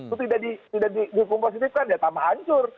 itu tidak dihukum positif kan ya tamah hancur